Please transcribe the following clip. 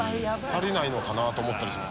足りないのかなと思ったり。